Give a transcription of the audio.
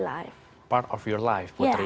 wadah yang tepat untuk putri